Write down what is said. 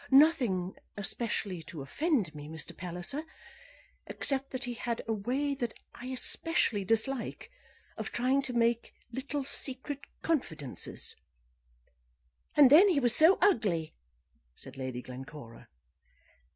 "Nothing especially to offend me, Mr. Palliser, except that he had a way that I especially dislike of trying to make little secret confidences." "And then he was so ugly," said Lady Glencora.